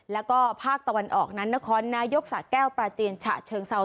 แล้วก็ภาคตะวันออกนั้นนครนายกสะแก้วปราจีนฉะเชิงเซา